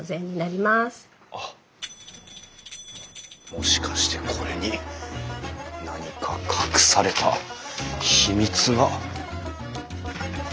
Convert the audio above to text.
もしかしてこれに何か隠された秘密が？